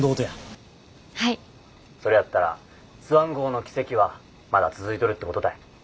それやったらスワン号の奇跡はまだ続いとるってことたい。